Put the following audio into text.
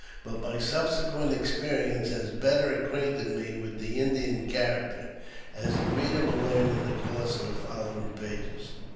But my subsequent experience has better acquainted me with the Indian character, as the reader will learn in the course of the following pages.